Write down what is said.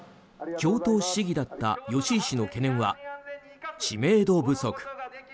京都市議だった吉井氏の懸念は知名度不足。